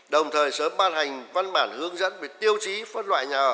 đồng thời sớm ban hành văn bản hướng dẫn về tiêu chí phân loại nhà ở